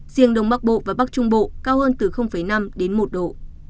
riêng đông bắc bộ và bắc trung bộ cao hơn từ năm đến một độ